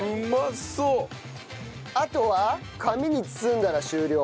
あとは紙に包んだら終了。